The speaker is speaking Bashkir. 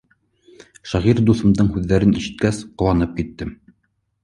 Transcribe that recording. Шағир дуҫымдың һүҙҙәрен ишеткәс, ҡыуанып киттем.